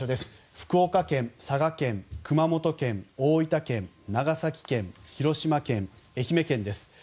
福岡県、佐賀県、熊本県大分県、長崎県広島県、愛媛県です。